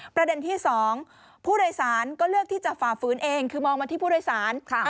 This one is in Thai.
ประเด็นที่๒ผู้โดยสารก็เลือกที่จะฝ่าฝืนเองคือมองมาที่ผู้โดยสาร